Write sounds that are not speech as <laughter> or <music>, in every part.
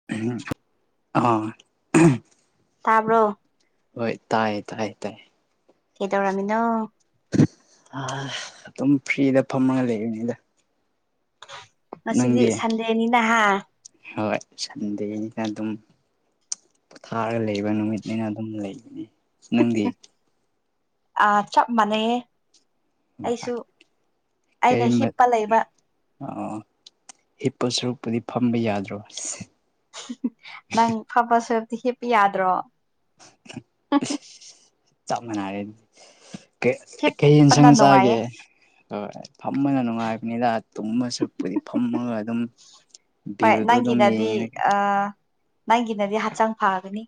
<unintelligible> ꯇꯥꯕ꯭ꯔꯣ ꯍꯣꯏ ꯇꯥꯏꯌꯦ ꯇꯥꯏꯌꯦ ꯇꯥꯏꯌꯦ ꯀꯩ ꯇꯧꯔꯥꯃꯤꯅꯣ ꯑ ꯑꯗꯨꯝ ꯐ꯭ꯔꯤꯗ ꯐꯝꯃꯒ ꯂꯩꯕꯅꯤꯗ ꯉꯁꯤꯗꯤ ꯅꯪꯗꯤ ꯁꯟꯗꯦꯅꯤ ꯅꯍ ꯍꯣꯏ ꯁꯟꯗꯦꯅꯤꯅ ꯑꯗꯨꯝ ꯄꯣꯊꯥꯔꯒ ꯂꯩꯕ ꯅꯨꯃꯤꯠꯅꯤꯅ ꯑꯗꯨꯝ ꯂꯩꯕꯅꯤ ꯅꯪꯗꯤ ꯆꯞ ꯃꯥꯟꯅꯩꯌꯦ ꯑꯩꯁꯨ ꯑꯩꯅ ꯍꯤꯞꯄ ꯂꯩꯕ ꯑ ꯍꯤꯞꯄ ꯁꯨꯔꯨꯛꯄꯨꯗꯤ ꯐꯝꯕ ꯌꯥꯗ꯭ꯔꯣ ꯏꯁ ꯅꯪ ꯐꯝꯕ ꯁꯔꯨꯛꯇꯤ ꯍꯤꯞꯄ ꯌꯥꯗ꯭ꯔꯣ ꯆꯞ ꯃꯅꯥꯔꯦ ꯗꯨꯗꯤ ꯀꯩ ꯀꯩ ꯍꯤꯞꯄꯅ ꯌꯦꯟꯁꯥꯡ ꯆꯥꯒꯦ ꯅꯨꯡꯉꯥꯏꯌꯦ ꯍꯣꯏ ꯐꯝꯕꯅ ꯅꯨꯡꯉꯥꯏꯕꯅꯤꯗ ꯇꯨꯝꯕ ꯁꯛꯄꯨꯗꯤ ꯐꯝꯃꯒ ꯑꯗꯨꯝ ꯍꯣꯏ ꯚꯤꯌꯨꯗ ꯑꯗꯨꯝ ꯅꯪꯒꯤꯅꯗꯤ ꯌꯦꯡꯉꯉꯒ ꯑꯥ ꯅꯪꯒꯤꯅꯗꯤ ꯍꯛꯆꯥꯡ ꯐꯥꯒꯅꯤ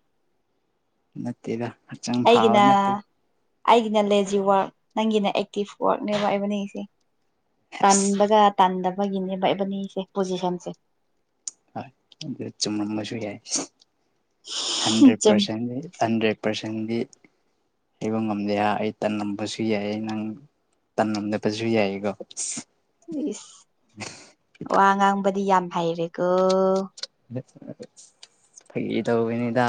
ꯅꯠꯇꯦꯗ ꯍꯛꯆꯥꯡ ꯐꯕ ꯑꯩꯒꯤꯅ ꯅꯠꯇꯦꯗ ꯑꯩꯒꯤꯅ ꯂꯦꯖꯤ ꯋꯥꯔꯛ ꯅꯪꯒꯤꯅ ꯑꯦꯛꯇꯤꯞ ꯋꯥꯔꯛꯅꯦꯕ ꯑꯩꯕꯅꯁꯦ ꯑꯁ ꯇꯥꯅꯤꯡꯕꯒ ꯇꯥꯟꯗꯕꯒꯤꯅꯦꯕ ꯏꯕꯅꯤꯁꯦ ꯄꯣꯖꯤꯁꯟꯁꯦ ꯑꯗꯨ ꯆꯨꯝꯔꯝꯕꯁꯨ ꯌꯥꯏ ꯍꯟꯗ꯭ꯔꯦꯠ ꯆꯨꯝ ꯄꯔꯁꯦꯟꯗ ꯍꯟꯗ꯭ꯔꯦꯠ ꯑꯣꯄꯔꯦꯁꯟꯗꯤ ꯍꯥꯏꯕ ꯉꯝꯗꯦ ꯍꯥꯏ ꯑꯩ ꯇꯜꯂꯝꯕꯁꯨ ꯌꯥꯏ ꯅꯪ ꯇꯅꯗꯦ ꯄꯁꯨꯨꯏ ꯌꯥꯏꯒꯣ ꯏꯁ ꯋꯥ ꯉꯥꯡꯕꯗꯤ ꯌꯥꯝ ꯍꯩꯔꯦꯀꯣ ꯐꯩ ꯇꯧꯕꯤꯅꯤꯗ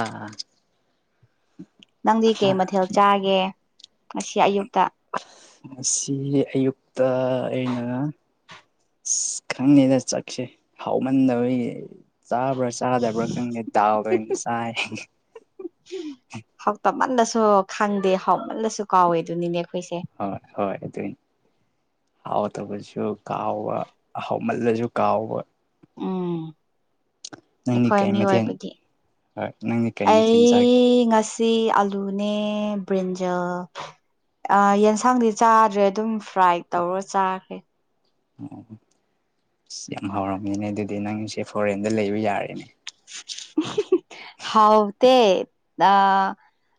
ꯅꯪꯗꯤ ꯀꯩ ꯃꯊꯦꯜ ꯆꯥꯒꯦ ꯉꯁꯤ ꯑꯌꯨꯛꯇ ꯉ ꯑꯌꯨꯛꯇ ꯑꯩꯅ ꯑꯁ ꯈꯪꯗꯦꯗꯥ ꯆꯛꯁꯦ ꯍꯥꯎꯃꯟꯗꯕꯒꯤ ꯆꯥꯕ꯭ꯔꯥ ꯆꯗꯕ꯭ꯔ ꯈꯪꯗꯦ ꯇꯥꯎꯒꯥ ꯑꯣꯏ ꯆꯥꯏ ꯍꯥꯎ ꯇꯃꯟꯗꯁꯨ ꯈꯪꯗꯦ ꯍꯥꯎꯃꯜꯗꯁꯨ ꯀꯥꯎꯋꯦ ꯑꯗꯨꯅꯤꯅꯦ ꯑꯩꯈꯣꯏꯁꯦ ꯍꯣꯏ ꯍꯣꯏ ꯑꯗꯨꯏ ꯍꯥꯎꯇꯕꯁꯨ ꯀꯥꯎꯕ ꯍꯥꯎ ꯃꯜꯂꯁꯨ ꯀꯥꯎꯕ ꯎꯝ ꯅꯪꯗꯤ ꯑꯩꯈꯣꯏ ꯀꯩ ꯃꯊꯦꯜ ꯃꯤꯑꯣꯏꯕꯒꯤ ꯍꯣꯏ ꯅꯪꯗꯤ ꯀꯩ ꯃꯊꯦꯜ ꯆꯥꯒꯦ ꯑꯩ ꯉꯁꯤ ꯁꯤ ꯑꯂꯨꯅꯦ ꯕ꯭ꯔꯤꯟꯖꯜ ꯌꯦꯟꯁꯥꯡꯗꯤ ꯆꯥꯗ꯭ꯔꯦ ꯑꯗꯨꯝ ꯐ꯭ꯔꯥꯏꯠ ꯇꯧꯔ ꯆꯥꯈ꯭ꯔꯦ ꯑꯣ ꯑꯁ ꯌꯥꯝ ꯍꯥꯎꯔꯝꯃꯤꯅꯦ ꯑꯗꯨꯗꯤ ꯅꯪꯁꯦ ꯐꯣꯔꯦꯟꯗ ꯂꯩꯕ ꯌꯥꯔꯦꯅꯦ ꯍꯥꯎ ꯇ ꯑ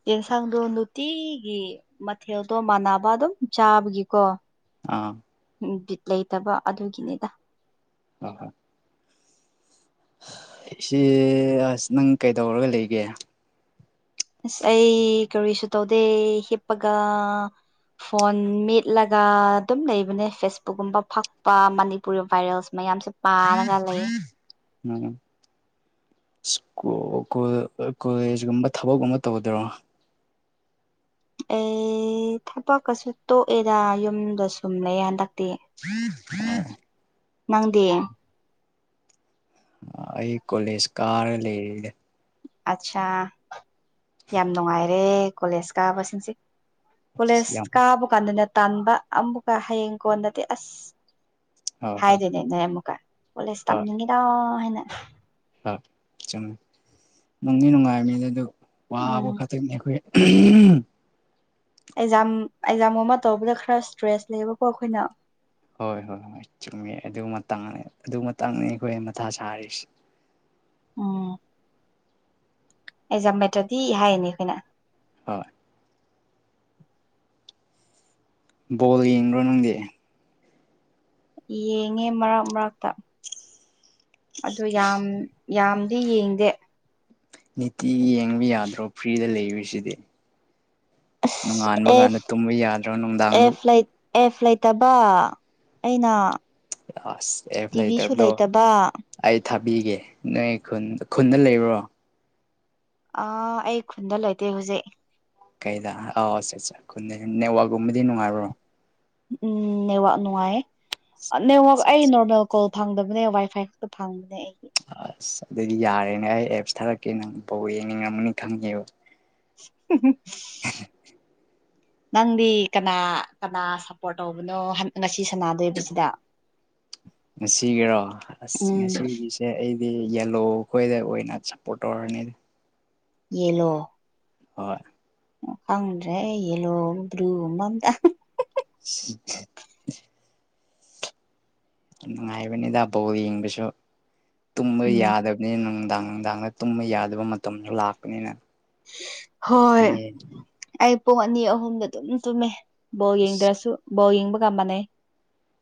ꯌꯦꯟꯁꯥꯡꯗꯣ ꯅꯨꯡꯇꯤꯒꯤ ꯃꯊꯦꯜꯗꯣ ꯃꯥꯟꯅꯕ ꯑꯗꯨꯝ ꯆꯥꯕꯒꯤꯀꯣ ꯑꯥ ꯕꯤꯠ ꯂꯩꯇꯕ ꯑꯗꯨꯒꯤꯅꯤꯗ ꯎ ꯍꯣꯏ ꯏꯆꯦ ꯑꯁ ꯅꯪ ꯀꯩꯗꯧꯔꯒ ꯂꯩꯒꯦ ꯑꯁ ꯑꯩ ꯀꯔꯤꯁꯨ ꯇꯧꯗꯦ ꯍꯤꯞꯄꯒ ꯐꯣꯟ ꯃꯦꯠꯂꯒ ꯑꯗꯨꯝ ꯂꯩꯕꯅꯦ ꯐꯦꯁꯕꯨꯛꯀꯨꯝꯕ ꯐꯛꯄ ꯃꯅꯤꯄꯨꯔꯤ ꯚꯥꯏꯔꯦꯜꯁ ꯃꯌꯥꯝꯁꯦ ꯄꯥꯔꯒ ꯂꯩ ꯎꯝ ꯀꯣꯂꯦꯖ ꯀꯨꯝꯕ ꯊꯕꯛꯀꯨꯝꯕ ꯇꯧꯗꯣꯏꯔꯣ ꯑꯦ ꯊꯕꯛꯀꯁꯨ ꯇꯣꯛꯑꯦꯗ ꯌꯨꯝꯗ ꯁꯨꯝ ꯂꯩ ꯍꯟꯗꯛꯇꯤ <unintelligible> ꯅꯪꯗꯤ ꯑꯩ ꯀꯣꯂꯦꯖ ꯀꯥꯔ ꯂꯩꯔꯦ ꯑꯠꯆꯥꯥ ꯌꯥꯝ ꯅꯨꯡꯉꯥꯏꯔꯦ ꯀꯣꯂꯦꯖ ꯀꯥꯕꯁꯤꯡꯁꯦ ꯑꯁ ꯀꯣꯂꯦꯖ ꯌꯥꯝ ꯀꯥꯕ ꯀꯥꯟꯗꯅꯦ ꯇꯥꯟꯕ ꯑꯃꯨꯛꯀ ꯍꯌꯦꯡ ꯀꯣꯟꯅꯗꯤ ꯑꯁ ꯍꯣꯏ ꯍꯣꯏ ꯍꯥꯏꯗꯣꯏꯅꯤꯅꯦ ꯑꯃꯨꯛꯀ ꯀꯣꯂꯦꯖ ꯇꯝꯅꯤꯡꯉꯤꯗ ꯍꯥꯏꯅ ꯑ ꯆꯪ <unintelligible> ꯅꯨꯡꯗꯤ ꯅꯨꯡꯉꯥꯏꯕꯅꯤꯅꯦ ꯑꯗꯨꯒ ꯋꯥꯕ ꯎꯝ ꯈꯠ ꯑꯩꯈꯣꯏ ꯎ ꯑꯦꯛꯖꯥꯝ ꯑꯦꯛꯖꯥꯝ ꯑꯃ ꯇꯧꯕꯗ ꯈꯔ ꯏꯁꯇ꯭ꯔꯦꯁ ꯂꯩꯕꯀꯣ ꯑꯩꯈꯣꯏꯅ ꯍꯣꯏ ꯍꯣꯏ ꯍꯣꯏ ꯆꯨꯝꯃꯤ ꯑꯗꯨ ꯃꯇꯥꯡꯅꯤ ꯑꯗꯨ ꯃꯇꯥꯡꯅꯤ ꯑꯩꯈꯣꯏ ꯃꯊꯥ ꯁꯥꯔꯤꯁꯦ ꯑꯣꯝ ꯑꯦꯖꯥꯝ ꯃꯦꯇꯔꯗꯤ ꯍꯥꯏꯌꯦꯅꯦ ꯑꯩꯈꯣꯏꯅ ꯍꯣꯏ ꯕꯣꯜ ꯌꯦꯡꯕ꯭ꯔꯣ ꯅꯪꯗꯤ ꯌꯦꯡꯉꯦ ꯃꯔꯛ ꯃꯔꯛꯇ ꯑꯗꯨ ꯌꯥꯝ ꯌꯥꯝ ꯑꯗꯨ ꯌꯦꯡꯗꯦ ꯅꯤꯇꯤ ꯌꯦꯡꯕ ꯌꯥꯗ꯭ꯔꯣ ꯐ꯭ꯔꯤꯗ ꯂꯩꯕꯁꯤꯗꯤ ꯑꯁ ꯅꯣꯡꯉꯥꯟꯕ ꯀꯥꯟꯗ ꯑꯦꯐ ꯇꯨꯝꯕ ꯌꯥꯗ꯭ꯔꯣ ꯅꯨꯡꯗꯥꯡꯗ ꯑꯦꯐ ꯂꯩ ꯑꯦꯐ ꯂꯩꯇꯕ ꯑꯩꯅ ꯑꯁ ꯑꯦꯞ ꯇꯤꯚꯤꯁꯨ ꯂꯩꯇꯕꯗꯣ ꯂꯩꯇꯕ ꯑꯩ ꯊꯥꯕꯤꯒꯦ ꯅꯣꯏ ꯈꯨꯟ ꯈꯨꯟꯗ ꯂꯩꯕ꯭ꯔꯣ ꯑ ꯑꯩ ꯈꯨꯟꯗ ꯂꯩꯇꯦ ꯍꯧꯖꯤꯛ ꯀꯩꯗ ꯑꯥꯎ ꯑꯠ ꯈꯨꯟꯗ ꯅꯦꯠꯋꯥꯛꯀꯨꯝꯕꯗꯤ ꯅꯨꯡꯉꯥꯏꯕ꯭ꯔꯣ ꯎꯝ ꯅꯦꯋꯥꯛ ꯅꯨꯡꯉꯥꯏꯌꯦ ꯅꯦꯋꯥꯛ ꯑꯩ ꯅꯣꯔꯃꯦꯜ ꯀꯣꯜ ꯐꯪꯗꯕꯅꯦ ꯋꯥꯏ ꯐꯥꯏ ꯈꯛꯇ ꯐꯪꯕꯅꯦ ꯑꯩꯒꯤ ꯑꯁ ꯑꯗꯨꯗꯤ ꯌꯥꯔꯦꯅꯦ ꯑꯩ ꯑꯦꯞꯁ ꯊꯥꯔꯛꯀꯦ ꯅꯪꯐꯥꯎ ꯌꯦꯡꯅꯤꯡꯉꯝꯃꯅꯤ ꯈꯪꯉꯦꯕ ꯎ ꯅꯪꯗꯤ ꯀꯅꯥ ꯀꯅꯥ ꯁꯞꯄꯣꯔꯠ ꯇꯧꯕꯅꯣ ꯉꯁꯤ ꯁꯥꯟꯅꯗꯣꯏꯕꯁꯤꯗ ꯉꯁꯤꯒꯤꯔꯣ ꯑꯁ ꯎꯝ ꯉꯁꯤꯒꯤ ꯁꯦ ꯑꯩꯗꯤ ꯌꯦꯂꯣ ꯈꯈꯣꯏꯗ ꯑꯣꯏꯅ ꯁꯞꯄꯣꯔꯠ ꯇꯧꯔꯅꯤ ꯌꯦꯂꯣ ꯍꯣꯏ ꯈꯪꯗ꯭ꯔꯦ ꯌꯦꯜꯂꯣ ꯕ꯭ꯔꯨꯃꯝꯗ ꯎ ꯌꯥꯝ ꯅꯨꯡꯉꯥꯏꯕꯅꯤꯗ ꯕꯣꯜ ꯌꯦꯡꯕꯁꯨ ꯇꯨꯝꯕ ꯎꯝ ꯌꯥꯗꯕ ꯅ ꯅꯨꯡꯗꯥꯡ ꯅꯨꯡꯗꯥꯡꯗ ꯇꯨꯝꯕ ꯌꯥꯗꯕ ꯃꯇꯝꯁꯨ ꯂꯥꯛꯄꯅꯤꯅ ꯍꯣꯏ ꯈꯪꯉꯦ ꯑꯩ ꯄꯨꯡ ꯑꯅꯤ ꯑꯍꯨꯝꯗ ꯑꯗꯨꯝ ꯇꯨꯝꯃꯦ ꯕꯣꯜ ꯑꯁ ꯌꯦꯡꯗ꯭ꯔꯁꯨ ꯕꯣꯜ ꯌꯦꯡꯕꯒ ꯃꯥꯟꯅꯩ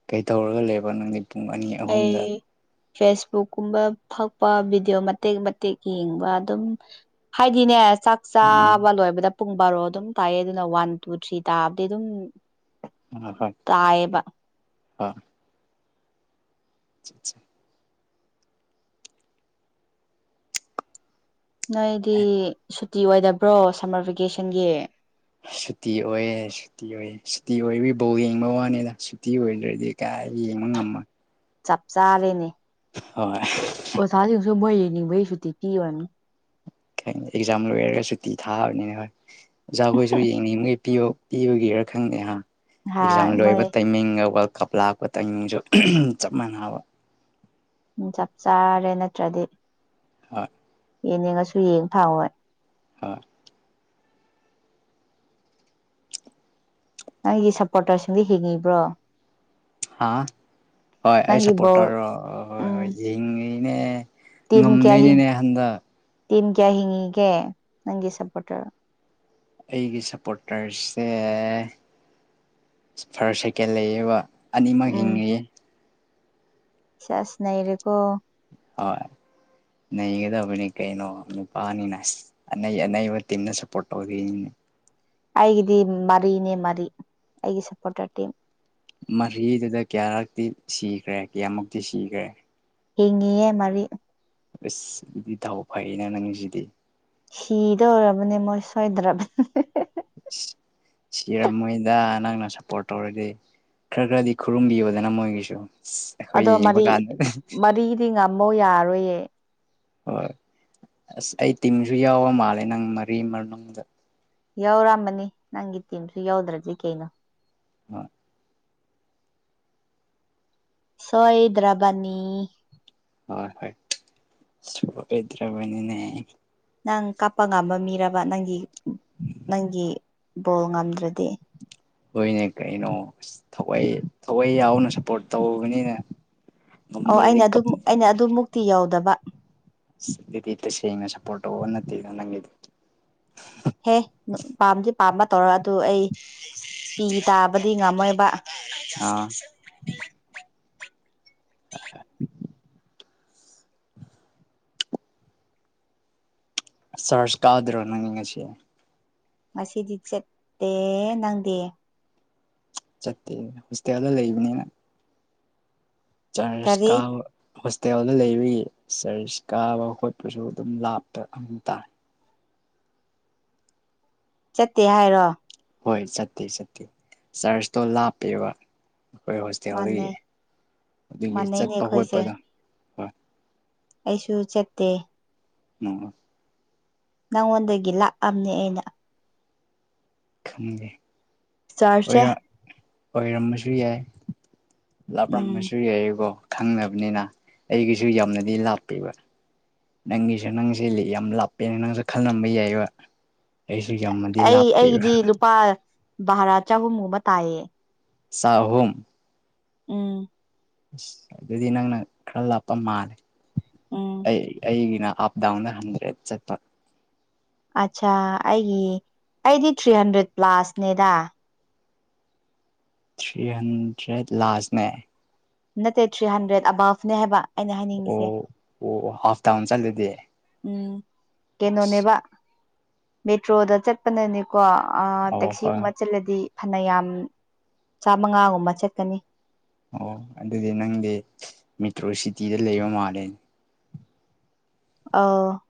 ꯀꯩ ꯇꯧꯔꯒ ꯂꯩꯕ ꯅꯪꯗꯤ ꯄꯨꯡ ꯑꯅꯤ ꯑꯍꯨꯝꯗ ꯑꯩ ꯐꯦꯁꯕꯨꯛ ꯀꯨꯝꯕ ꯐꯛꯄ ꯚꯤꯗꯤꯑꯣ ꯃꯇꯦꯛ ꯃꯇꯦꯛ ꯌꯦꯡꯕ ꯑꯗꯨꯝ ꯍꯥꯏꯥꯏꯗꯤꯅꯦ ꯆꯥꯛ ꯎꯝ ꯆꯥꯕ ꯂꯣꯏꯕꯗ ꯄꯨꯡ ꯕꯥꯔꯣ ꯑꯗꯨꯝ ꯇꯥꯏꯑ ꯑꯗꯨꯅ ꯋꯥꯟ ꯇꯨ ꯊ꯭ꯔꯤ ꯇꯥꯕꯗꯤ ꯑꯗꯨꯝ ꯎ ꯍꯣꯏ ꯇꯥꯏꯌꯦꯕ ꯍꯣꯏ ꯆꯥ ꯅꯣꯏꯗꯤ ꯁꯨꯇꯤ ꯑꯣꯏꯗꯕ꯭ꯔꯣ ꯁꯝꯃꯔ ꯚꯦꯀꯦꯁꯟꯒꯤ ꯁꯨꯇꯤ ꯑꯣꯏꯌꯦꯦ ꯁꯨꯇꯤ ꯑꯣꯏꯌꯦꯦ ꯁꯨꯇꯤ ꯑꯣꯏꯐꯧ ꯌꯦꯡꯕ ꯋꯥꯅꯤꯅ ꯁꯨꯇꯤ ꯑꯣꯏꯗ꯭ꯔꯗꯤ ꯀꯥꯏ ꯌꯦ ꯃꯃ ꯆꯞ ꯆꯥꯔꯦꯅꯦ ꯍꯣꯏ ꯑꯣ ꯁꯥꯗꯁꯨ ꯃꯣꯏꯦꯅꯤꯕꯩꯁꯨꯇꯤ ꯀꯤ ꯋꯥꯅꯤ ꯀꯩ ꯑꯦꯛꯖꯥꯝ ꯂꯣꯏꯔꯒ ꯁꯨꯇꯤ ꯊꯥꯕꯅꯤꯅ ꯍꯣꯏ ꯑꯣꯖꯥꯈꯣꯏꯁꯨ ꯌꯦꯡꯅꯤꯡꯕꯈꯩ ꯄꯤ ꯄꯤꯕꯒꯦꯔ ꯈꯪꯗꯦꯍꯥꯟ ꯍꯥ ꯑꯦꯛꯖꯥꯝ ꯃꯣꯏ ꯂꯣꯏꯕ ꯇꯥꯏꯃꯤꯡꯒ ꯋꯥꯋꯔꯜ ꯀꯞ ꯂꯥꯛꯄ ꯇꯪꯅꯤꯡꯁꯨ ꯆꯞ ꯃꯥꯟꯅꯕ ꯎꯝ ꯆꯞ ꯆꯥꯔꯦ ꯅꯠꯇ꯭ꯔꯗꯤ ꯍꯣꯏ ꯌꯦꯅꯤꯡꯉꯁꯨ ꯌꯦꯡ ꯐꯋꯣꯏ ꯍꯥ ꯅꯪꯒꯤ ꯁꯞꯄꯣꯔꯇꯔꯁꯤꯡꯗꯣ ꯍꯤꯡꯉꯤꯕ꯭ꯔꯣ ꯍꯥ ꯍꯣꯏ ꯑꯩ ꯅꯪꯒꯤ ꯕꯣꯜ ꯁꯞꯄꯣꯔꯇꯔꯣ ꯍꯣꯏ ꯍꯣꯏ ꯎꯝ ꯌꯦꯡꯉꯤꯅꯦ ꯇꯤꯝ ꯀꯌꯥ ꯍꯤꯡ ꯉꯝꯗꯣꯏꯅꯤꯅꯦ ꯍꯟꯗꯛ ꯇꯤꯝ ꯀꯌꯥ ꯍꯤꯉꯒ ꯅꯪꯒꯤ ꯁꯄꯣꯔꯇꯔ ꯑꯩꯒꯤ ꯁꯞꯄꯣꯔꯇꯔꯁꯦ ꯐꯥꯔꯁ ꯁꯦꯀꯦꯟ ꯂꯩꯌꯦꯕ ꯑꯅꯤꯃꯛ ꯎꯝ ꯍꯤꯡꯉꯤꯦ ꯁꯦꯁ ꯅꯩꯔꯦꯀꯣ ꯍꯣꯏ ꯅꯒꯗꯕꯅꯤ ꯀꯩꯅꯣ ꯅꯨꯄꯥꯅꯤꯅ ꯑꯅꯩꯅꯕ ꯇꯤꯝꯅ ꯁꯄꯣꯣꯔ ꯇꯧ ꯑꯩꯒꯤꯗꯤ ꯃꯔꯤꯅꯦ ꯃꯔꯤ ꯑꯩꯒꯤ ꯁꯞꯄꯣꯔꯇꯔ ꯇꯤ ꯃꯍꯔꯤꯗꯨꯗ ꯀꯌꯥꯔꯛꯇꯤ ꯁꯤꯈ꯭ꯔꯦ ꯀꯌꯥꯃꯨꯛꯇꯤ ꯁꯤꯈ꯭ꯔꯦ ꯍꯤꯡꯉꯤꯑꯦ ꯃꯔꯤ ꯑꯁ ꯑꯗꯨꯗꯤ ꯊꯥꯎ ꯐꯩꯌꯦꯅ ꯅꯪꯁꯤꯗꯤ ꯁꯤꯗꯧꯔꯕꯅꯦ ꯃꯣꯏ ꯁꯣꯏꯗ꯭ꯔꯕꯅꯤ ꯁꯤꯔꯝꯃꯣꯏꯗ ꯅꯪꯅ ꯁꯞꯄꯣꯔꯠ ꯇꯧꯔꯗꯤ ꯈꯔ ꯈꯔꯗꯤ ꯈꯨꯔꯨꯝꯕꯤꯕꯗꯅ ꯃꯣꯏꯒꯤꯁꯨ ꯑ ꯑꯗꯣ ꯃꯔꯤ ꯃꯔꯤꯗꯤ ꯉꯝꯃꯧ ꯌꯥꯔꯣꯏꯌꯦ ꯍꯣꯏ ꯑꯁ ꯑꯩ ꯇꯤꯝꯁꯨ ꯌꯥꯎꯕ ꯃꯥꯜꯂꯦ ꯅꯪ ꯃꯔꯤ ꯃꯅꯨꯡꯗ ꯌꯥꯎꯔꯝꯕꯅꯤ ꯅꯪꯒꯤ ꯇꯤꯝꯁꯨ ꯌꯥꯎꯗ꯭ꯔꯗꯤ꯭ꯔꯤ ꯀꯩꯅꯣ ꯍꯣꯏ ꯁꯣ ꯏꯗ꯭ꯔꯥꯕꯅꯤ ꯍꯣꯏ ꯍꯣꯏ ꯁꯗ꯭ꯔꯕꯅꯤꯅꯦ ꯅꯪ ꯀꯥꯞꯄ ꯉꯥꯝꯕ ꯃꯤꯔꯕ ꯅꯪꯒꯤ ꯅꯪꯒꯤ ꯕꯣꯜ ꯉꯝꯗ꯭ꯔꯗꯤ ꯍꯣꯏꯅꯦ ꯀꯥꯏ ꯅꯣ ꯊꯏ ꯊꯋꯥꯏ ꯌꯥꯎꯅ ꯁꯞꯄꯣꯔꯠ ꯇꯧꯕꯅꯤꯅ ꯑꯣ ꯉꯝꯗ꯭ꯔꯗꯤ ꯑꯩꯅ ꯑꯗꯨꯝ ꯀꯞꯅꯤ ꯑꯩꯅ ꯑꯗꯨꯃꯨꯛꯇꯤ ꯌꯧꯗꯕ ꯁꯤꯗꯤ ꯏ ꯇꯁꯦꯡ ꯁꯄꯣꯔꯠꯣ ꯑꯣ ꯅꯠꯇ ꯅꯪꯗꯤ ꯍꯦ ꯄꯥꯝꯗꯤ ꯄꯥꯝꯕ ꯇꯧꯔ ꯑꯗꯨ ꯑꯩ ꯄꯤ ꯇꯥꯕꯗꯤ ꯉꯝꯃꯣꯏꯕ ꯑꯥ ꯑ ꯁꯔꯁ ꯀꯥꯎ꯭ꯔꯣ ꯅꯪꯅꯤꯡ ꯉꯁꯤ ꯉꯁꯤꯗꯤ ꯆꯠꯇꯦ ꯅꯪꯗꯦ ꯆꯠꯇꯦ ꯍꯣꯁꯇꯦꯜꯗꯣ ꯂꯩꯕꯅꯤꯅ ꯀꯔꯤ ꯆꯔꯁꯀ ꯍꯣꯁꯇꯦꯜꯗ ꯂꯩꯕꯒꯤ ꯆꯔꯆ ꯀꯥꯕ ꯈꯣꯠꯄꯁꯨ ꯑꯗꯨꯝ ꯂꯥꯞꯄ ꯑꯗꯨ ꯇꯥꯏ ꯆꯠꯇꯦ ꯍꯥꯏꯔꯣ ꯍꯣꯏ ꯆꯠꯇꯦ ꯆꯠꯇꯦ ꯆꯔꯁꯇꯣ ꯂꯥꯞꯄꯦꯕ ꯑꯩꯈꯣꯏ ꯍꯣꯁꯇꯦꯜꯗꯒꯤ ꯃꯥꯟꯅꯩ ꯑꯗꯨꯒꯤ ꯃꯥꯟꯅꯩꯅꯦ ꯆꯠꯄ ꯑꯩꯈꯣꯏꯁꯦ ꯈꯣꯠꯄꯗꯣ ꯍꯣꯏ ꯑꯩꯁꯨ ꯆꯠꯇꯦ ꯎꯝ ꯅꯉꯣꯟꯗꯒꯤ ꯂꯥꯛꯑꯕꯅꯦ ꯑꯩꯅ ꯈꯦ ꯆꯥꯔꯖꯁꯦ ꯑꯣꯏꯔꯝꯕꯁꯨ ꯌꯥꯏ ꯎꯝ ꯂꯥꯞꯂꯝꯝꯕꯁꯨ ꯌꯥꯏꯑꯀꯣ ꯈꯪꯅꯕꯅꯤꯅ ꯑꯩꯒꯤꯁꯨ ꯌꯥꯝꯅꯗꯤ ꯂꯥꯞꯄꯤꯕ ꯅꯪꯒꯤꯁꯨ ꯅꯪꯁ ꯌꯥꯝ ꯂꯥꯞꯄꯦꯅ ꯅꯪꯁꯨ ꯈꯜꯂꯝꯕ ꯌꯥꯏꯕ ꯑꯩꯁꯨ ꯌꯥꯝꯃꯗꯤ ꯂꯥꯞꯄꯤꯕ ꯄꯥꯏ ꯚꯔꯥ ꯆꯍꯨꯝꯒꯨꯝꯕ ꯇꯥꯏꯌꯦ ꯁꯍꯨꯝ ꯎꯝ ꯑꯁ ꯑꯗꯨꯗꯤ ꯅꯪꯅ ꯈꯔ ꯂꯥꯞꯄ ꯃꯥꯜꯂꯦ ꯎꯝ ꯑꯩ ꯑꯩꯒꯤꯅ ꯗꯥꯎꯅ ꯍꯟꯗ꯭ꯔꯦꯠ ꯆꯠꯄ ꯑꯠꯆꯥ ꯑꯩꯒꯤ ꯑꯩꯗꯤ ꯊ꯭ꯔꯤ ꯍꯟꯗ꯭ꯔꯦꯠ ꯄ꯭ꯂꯥꯁꯅꯦꯗ ꯊ꯭ꯔꯤ ꯍꯟꯗ꯭ꯔꯦꯠ ꯂꯥꯁꯅꯦ ꯅꯠꯇꯦ ꯊ꯭ꯔꯤ ꯍꯟꯗ꯭ꯔꯦꯠ ꯑꯕꯥꯞꯅꯦ ꯍꯥꯏꯕ ꯑꯩꯅ ꯍꯥꯏꯅꯤꯡꯉꯤꯁꯦ ꯑꯣ ꯑꯣ ꯍꯐꯇꯥ ꯍꯁꯅꯤ ꯑꯗꯨꯗꯤ ꯎꯝ ꯀꯩꯅꯣꯅꯦꯕ ꯃꯦꯇ꯭ꯔꯣꯗ ꯆꯠ ꯆꯠꯄꯅꯅꯦꯀꯣ ꯑꯥ ꯑꯣ ꯍꯣꯏ ꯇꯦꯛꯁꯤꯒꯨꯝꯕ ꯆꯠꯂꯗꯤ ꯐꯅꯌꯥꯝ ꯆꯥꯃꯉꯥꯒꯨꯝꯕ ꯆꯠꯀꯅꯤ ꯑꯣ ꯑꯗꯨꯗꯤ ꯅꯪꯗꯤ ꯃꯦꯇ꯭ꯔꯣ ꯁꯤꯇꯤꯗ ꯂꯩꯕ ꯃꯥꯜꯂꯦꯅꯦ ꯑ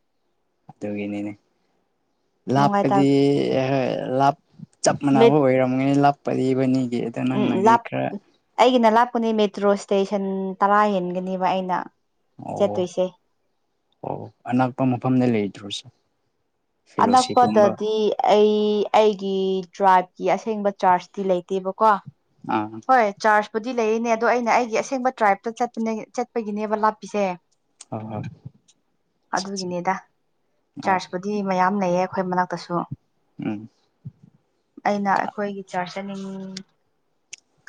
ꯑꯗꯨꯒꯤꯅꯤꯅꯦ ꯅꯨꯡꯉꯥꯏꯇ ꯂꯥꯞꯄꯗꯤ ꯂꯥꯞ ꯆꯞ ꯃꯥꯟꯅꯕ ꯃꯤꯠ ꯑꯣꯏꯔꯝꯒꯅꯤ ꯂꯞꯄꯗꯤꯕꯅꯤꯒꯤ ꯎꯝ ꯑꯩꯒꯤꯅ ꯂꯥꯞꯀꯅꯤ ꯃꯦꯇ꯭ꯔꯣ ꯏꯁꯇꯦꯁꯟ ꯇꯔꯥ ꯍꯟꯒꯅꯦꯕ ꯑꯩꯅ ꯑꯣ ꯆꯠꯇꯨꯁꯦ ꯑꯣ ꯑꯅꯛꯄ ꯃꯐꯝꯗ ꯂꯩꯗ꯭ꯔꯣꯁꯨꯦ ꯑꯅꯛꯄꯗꯗꯤ ꯑꯩ ꯑꯩꯒꯤ ꯗ꯭ꯔꯥꯏꯕꯀꯤ ꯑꯁꯦꯡꯕ ꯆꯥꯔꯖꯇꯤ ꯂꯩꯇꯦꯕꯀꯣ ꯑꯥ ꯍꯣꯏ ꯆꯥꯔꯖꯄꯨꯗꯤ ꯂꯩꯌꯦꯅꯦ ꯑꯗꯣ ꯑꯩꯅ ꯑꯩꯒꯤ ꯑꯁꯦꯡꯕ ꯇ꯭ꯔꯥꯏꯞꯇꯄ ꯆꯠꯄꯒꯤꯅꯦꯕ ꯂꯥꯞꯄꯤꯁꯦ ꯍꯣꯏ ꯍꯣꯏ ꯑꯗꯨꯒꯤꯅꯦꯗ ꯑꯣ ꯆꯥꯔꯖꯄ ꯗꯤ ꯃꯌꯥꯝ ꯂꯩꯌꯦ ꯑꯩꯈꯣꯏ ꯃꯅꯥꯛꯇꯁꯨ ꯎꯝ ꯑꯩꯅ ꯑꯩꯈꯣꯏꯒꯤ ꯆꯥꯔ ꯆꯠꯅꯤꯡꯉꯤ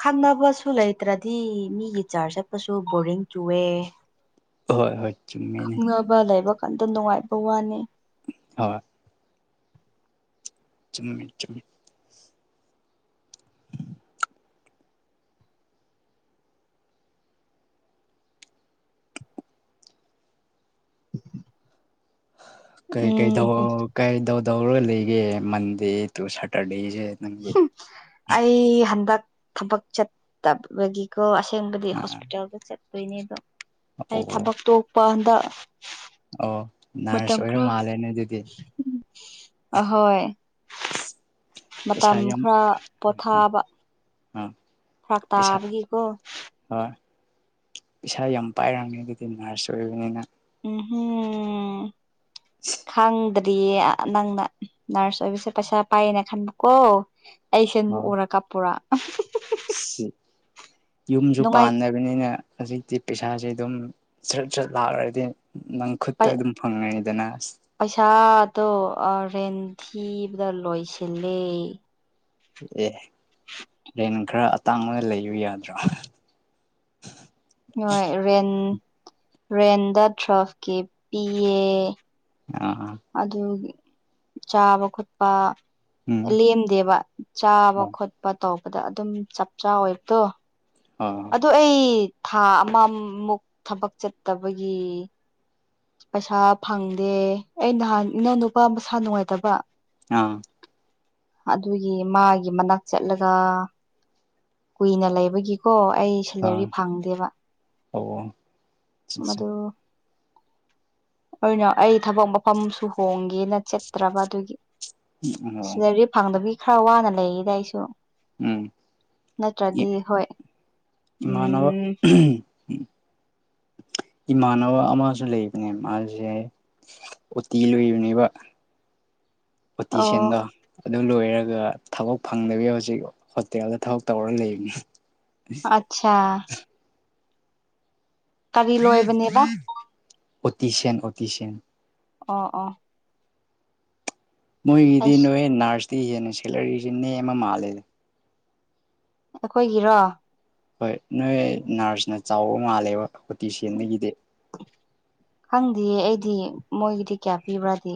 ꯈꯪꯅꯕꯁꯨ ꯂꯩꯇ꯭ꯔꯗꯤ ꯃꯤꯒꯤ ꯆꯥꯔꯖ ꯆꯠꯄꯁꯨ ꯕꯣꯔꯤꯡ ꯆꯨꯑꯦ ꯍꯣꯏ ꯍꯣꯏ ꯆꯨꯝꯃꯦꯅꯦ ꯈꯪꯅꯕ ꯂꯩꯕ ꯀꯥꯟꯗ ꯅꯨꯡꯉꯥꯏꯕ ꯋꯥꯅꯤ ꯍꯣꯏ ꯆꯨꯝꯃꯤ ꯆꯨꯝꯃꯤ ꯀꯩ ꯀꯩ ꯎꯝ ꯍꯝ ꯀꯩꯗꯧꯗꯧꯔꯒ ꯂꯩꯒꯦ ꯃꯟꯗꯦ ꯇꯨ ꯁꯦꯇꯔꯗꯦꯁꯦ ꯑꯩ ꯍꯟꯗꯛ ꯊꯕꯛ ꯆꯠꯇꯕꯒꯤ ꯀꯣ ꯑꯁꯦꯡꯕꯗꯤ ꯑ ꯍꯣꯁꯄꯤꯇꯥꯜꯗ ꯆꯠꯇꯠꯇꯣꯏꯅꯦꯕ ꯑꯣ ꯑꯩ ꯊꯕꯛꯇꯣ ꯄꯗ ꯑꯣ ꯅꯔꯁ ꯃꯇꯝ ꯑꯣꯏꯔ ꯈꯔ ꯃꯥꯜꯂꯦꯅꯦ ꯑꯗꯨꯗꯤ ꯑꯍꯣꯏ ꯃꯇꯝ ꯈꯔ ꯄꯣꯊꯥꯕ ꯑꯥ ꯐꯔꯥꯛ ꯇꯥꯕꯒꯤꯀꯣ ꯍꯣꯏ ꯄꯩꯁꯥ ꯌꯥꯝ ꯄꯥꯏꯔꯝꯅꯤ ꯑꯗꯨꯗꯤ ꯅꯔꯁ ꯑꯣꯏꯕꯅꯤꯅ ꯎꯝꯝ ꯈꯪꯗ ꯗꯤ ꯅꯪꯅ ꯅꯔꯁ ꯑꯣꯏꯕꯁꯦ ꯄꯩꯁꯥ ꯄꯥꯏꯌꯦꯅ ꯈꯟꯕꯀꯣ ꯑꯩꯁꯦ ꯑꯃꯨꯛ ꯍꯣꯏ ꯎꯔ ꯀꯥꯞꯄꯣꯔꯥ ꯌꯨꯝꯁꯨ ꯅꯨꯡꯉꯥꯏ ꯄꯥꯟꯅ ꯑꯗꯨꯅꯤꯅ ꯍꯧꯖꯤꯛꯇꯤ ꯄꯩꯁꯥꯁꯦ ꯑꯗꯨꯝ ꯁ꯭ꯔꯠ ꯁ꯭ꯔꯠ ꯂꯥꯛꯈ꯭ꯔꯗꯤ ꯈꯨꯠꯇ ꯑꯗꯨꯝ ꯐꯪꯉꯅꯤꯗꯅ ꯑꯁ ꯄꯩꯁꯥꯗꯣ ꯔꯦꯟ ꯊꯤꯕꯗ ꯂꯣꯏꯁꯤꯜꯂꯦ ꯑꯦ ꯔꯦꯟ ꯈꯔ ꯑꯇꯥꯡꯕꯗ ꯂꯩꯌꯨ ꯌꯥꯗ꯭ꯔꯣ <unintelligible> ꯍꯣꯏ ꯔꯦꯟ ꯔꯦꯟꯗ ꯗ꯭ꯔꯐꯀꯤ ꯄꯤꯌꯦ ꯑ ꯑꯗꯨ ꯆꯥꯕ ꯈꯣꯠꯄ ꯎꯝ ꯂꯦꯝꯗꯦꯕ ꯆꯥꯕ ꯍꯣꯏ ꯈꯣꯠꯄ ꯇꯧꯕꯗ ꯑꯗꯨꯝ ꯆꯞ ꯆꯥ ꯑꯣꯏꯕꯇꯣ ꯍ ꯑ ꯑꯩ ꯊꯥ ꯑꯃꯃꯨꯛ ꯊꯕꯛ ꯆꯠꯇꯕꯒꯤ ꯄꯩꯁꯥ ꯐꯪꯗꯦ ꯑꯩ ꯅꯍꯥꯟ ꯏꯅꯥꯎ ꯅꯨꯄꯥ ꯃꯁꯥ ꯅꯨꯡꯉꯥꯏꯇꯕ ꯑꯥ ꯑꯗꯨꯒꯤ ꯃꯥꯒꯤ ꯃꯅꯥꯛ ꯆꯠꯂꯒ ꯀꯨꯏꯅ ꯂꯩꯕꯒꯤꯀꯣ ꯑꯩ ꯁꯦꯂꯔꯤ ꯑ ꯐꯪꯗꯦꯕ ꯑꯣ ꯑꯆꯥ ꯑꯆꯥ ꯃꯗꯨ ꯑꯣꯏꯅꯣ ꯑꯩ ꯊꯕꯛ ꯃꯐꯝꯁꯨ ꯍꯣꯡꯒꯦꯅ ꯆꯠꯇ꯭ꯔꯕ ꯑꯗꯨꯒꯤ ꯑꯣ ꯁꯤꯗꯔꯤ ꯐꯪꯗꯕꯤꯒꯤ ꯈꯔ ꯋꯥꯅ ꯂꯩꯔꯤꯗ ꯑꯩꯁꯨ ꯎꯝ ꯅꯠꯇ꯭ꯔꯗꯤ ꯍꯣꯏ ꯏꯥꯟꯅꯕ ꯎꯝ ꯏꯃꯥꯟꯅꯕ ꯑꯃꯁꯨ ꯂꯩꯕꯅꯦ ꯃꯥꯁꯦ ꯎꯇꯤ ꯂꯣꯏꯕꯅꯦꯕ ꯄꯇ ꯑꯣ ꯆꯦꯟꯗ ꯑꯗꯨ ꯂꯣꯏꯔꯒ ꯊꯕꯛ ꯐꯪꯗꯕꯤ ꯍꯧꯖꯤꯛ ꯍꯣꯇꯦꯜꯗ ꯊꯕꯛ ꯇꯧꯔ ꯂꯩꯕꯅꯤ ꯑꯆꯥ ꯀꯔꯤ ꯂꯣꯏꯕꯅꯦꯕ ꯑꯣꯇꯁꯦꯟ ꯑꯣꯇꯁꯦꯟ ꯑꯣ ꯑꯣ ꯃꯣꯏꯒꯤꯗꯤ ꯑꯩꯁ ꯅꯣꯏ ꯅꯔꯁꯇꯤ ꯍꯦꯟꯅ ꯁꯦꯂꯔꯤꯁꯤꯦ ꯅꯦꯝ ꯑꯃ ꯃꯥꯜꯂꯦꯗ ꯑꯩꯈꯣꯏꯒꯤꯔꯣ ꯍꯣꯏ ꯅꯣꯏ ꯅꯔꯁꯅ ꯆꯥꯎꯕ ꯃꯥꯜꯂꯦꯕ ꯍꯣꯇꯤ ꯁꯦꯟꯗꯒꯤꯗꯤ ꯈꯪꯗꯦꯌꯦ ꯑꯩꯗꯤ ꯃꯣꯏꯒꯤꯗꯤ ꯀꯌꯥ ꯄꯤꯕ꯭ꯔꯥꯗꯤ